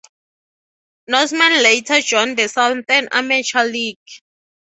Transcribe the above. Norsemen later joined the Southern Amateur League.